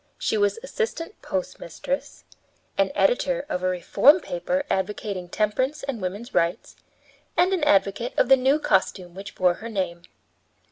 She was assistant postmistress; an editor of a reform paper advocating temperance and woman's rights; and an advocate of the new costume which bore her name!